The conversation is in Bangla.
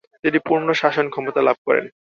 তিনি পূর্ণ শাসনক্ষমতা লাভ করেন।